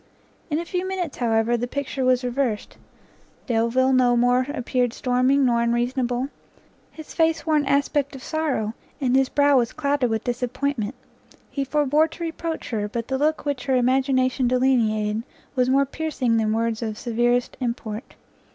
In a few minutes, however, the picture was reversed; Delvile no more appeared storming nor unreasonable; his face wore an aspect of sorrow, and his brow was clouded with disappointment; he forbore to reproach her, but the look which her imagination delineated was more piercing than words of severest import.